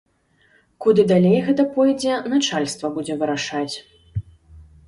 Куды далей гэта пойдзе, начальства будзе вырашаць.